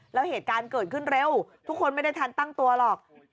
แล้วเหตุการณ์เกิดขึ้นเร็วทุกคนไม่ได้ทันตั้งตัวหรอก